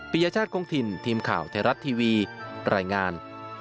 ยชาติคงถิ่นทีมข่าวไทยรัฐทีวีรายงาน